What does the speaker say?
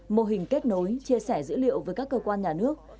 mô hình kết nối chia sẻ dữ liệu với các cơ quan nhà nước